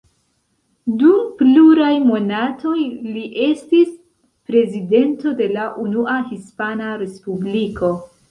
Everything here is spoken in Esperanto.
Dum pluraj monatoj li estis prezidento de la Unua Hispana Respubliko.